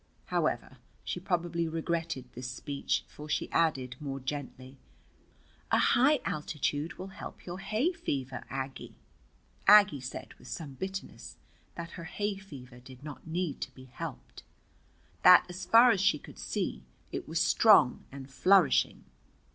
However, she probably regretted this speech, for she added more gently: "A high altitude will help your hay fever, Aggie." Aggie said with some bitterness that her hay fever did not need to be helped. That, as far as she could see, it was strong and flourishing.